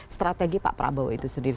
strategi pak prabowo itu sendiri